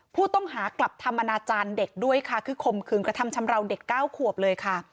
ผู้ต้องหากลับทำอนาจารย์เด็กด้วยค่ะคือคมคืนกระทำชำราวเด็ก๙ขวบเลยค่ะ